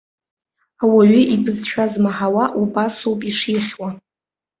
Ауаҩы ибызшәа змаҳауа убасоуп ишихьуа!